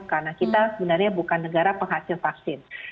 karena kita sebenarnya bukan negara penghasil vaksin